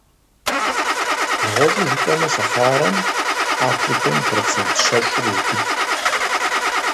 Нэгъуэщӏу жыпӏэмэ, Сахарэм Африкэм и процент щэщӏыр еубыд.